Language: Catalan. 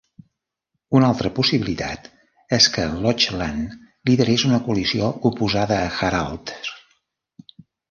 Una altra possibilitat és que Lochlann liderés una coalició oposada a Haraldr.